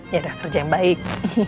ya udah kerja yang baik